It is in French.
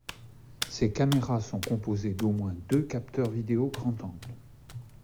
Ces caméras sont composées d'au moins deux capteurs vidéos grand angle.